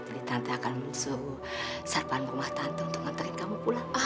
jadi tante akan suruh sarpan rumah tante untuk nganterin kamu pulang